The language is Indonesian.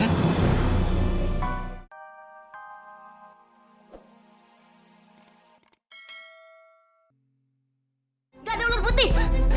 gak ada ular putih